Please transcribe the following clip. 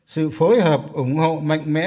sự phối hợp ủng hộ mạnh mẽ